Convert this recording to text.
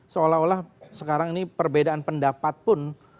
seolah olah sekarang ini perbedaan pendapat pun